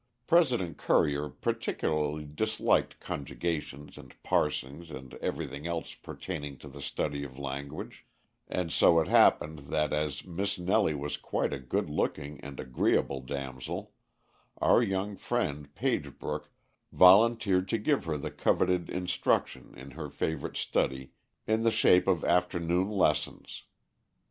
President Currier particularly disliked conjugations and parsings and everything else pertaining to the study of language; and so it happened that as Miss Nellie was quite a good looking and agreeable damsel, our young friend Pagebrook volunteered to give her the coveted instruction in her favorite study in the shape of afternoon lessons.